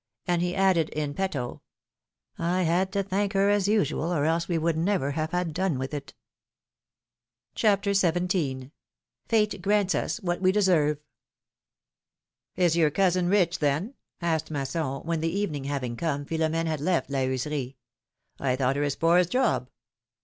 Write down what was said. And he added in petto: had to thank her as usual, or else we would never have had done with it !" PHILOMilNE^S MARRIAGES. 147 CHAPTER XVIL FATE GRANTS US WHAT WE DESERVE. your cousin rich, then?^' asked Masson, when, L the evening having come, Philom^ne had left La Heuserie. I thought her as poor as Job